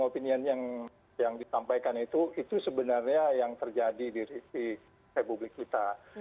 opinion yang disampaikan itu itu sebenarnya yang terjadi di republik kita